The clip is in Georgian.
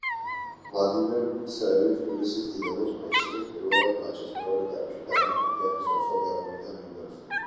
ვლადიმერ გუცაევი თბილისის „დინამოს“ მაისურით პირველად მატჩის მეორე ტაიმში დავით ყიფიანის ნაცვლად გამოვიდა მინდორზე.